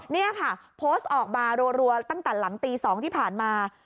นี่ค่ะโพสต์ออกมารัวตั้งแต่หลังตี๒ที่ผ่านมา